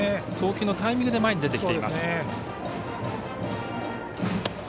投球のタイミングで前に出てます。